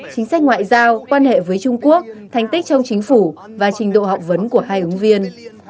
chính sách ngoại giao quan hệ với trung quốc thành tích trong chính phủ và trình độ học vấn của hai ứng viên